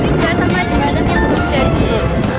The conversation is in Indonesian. tidak sama sama tapi yang belum jadi